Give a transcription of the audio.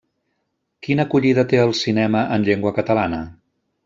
Quina acollida té el cinema en llengua catalana?